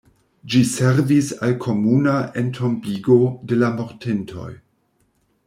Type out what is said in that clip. Ĝi servis al komuna entombigo de la mortintoj.